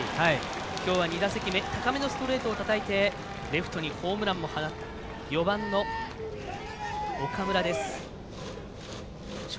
今日は２打席目高めのストレートをたたいてレフトにホームランも放った４番の岡村です。